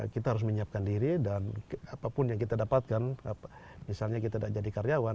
kita harus menyiapkan diri dan apapun yang kita dapatkan misalnya kita tidak jadi karyawan